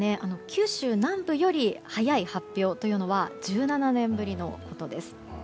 九州南部より早い発表というのは１７年ぶりのことです。